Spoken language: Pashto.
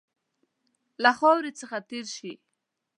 له خاوري څخه تېر شي.